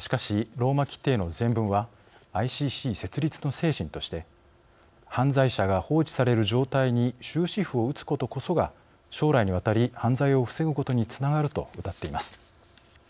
しかし、ローマ規程の前文は「ＩＣＣ設立の精神として犯罪者が放置される状態に終止符を打つことこそが将来にわたり犯罪を防ぐことにつながる」とうたっています。